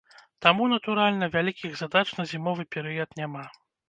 Таму, натуральна, вялікіх задач на зімовы перыяд няма.